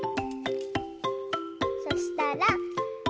そしたら。